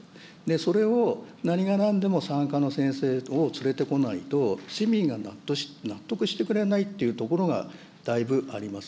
それを何がなんでも産科の先生を連れてこないと、市民が納得してくれないというところがだいぶあります。